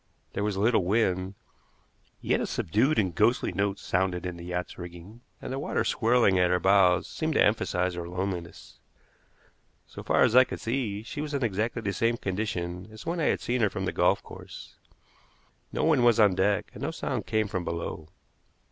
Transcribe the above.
There was little wind, yet a subdued and ghostly note sounded in the yacht's rigging, and the water swirling at her bows seemed to emphasize her loneliness. So far as I could see, she was in exactly the same condition as when I had seen her from the golf course. No one was on deck, and no sound came from below.